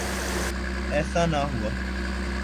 ایسا نہ ہوا۔